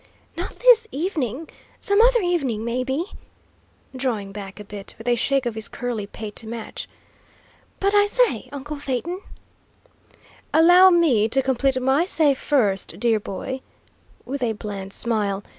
"Not this evening; some other evening, maybe!" drawing back a bit, with a shake of his curly pate to match. "But, I say, uncle Phaeton " "Allow me to complete my say, first, dear boy," with a bland smile.